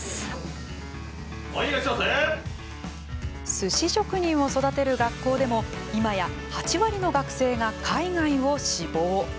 すし職人を育てる学校でも今や８割の学生が海外を志望。